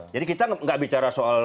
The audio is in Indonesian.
jadi kita nggak bicara soal